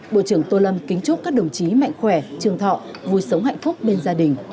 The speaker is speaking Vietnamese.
bộ trưởng tô lâm kính chúc các đồng chí mạnh khỏe trường thọ vui sống hạnh phúc bên gia đình